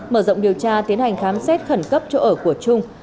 mở rộng điều tra tiến hành khám xét khẩn cấp chỗ ở của trung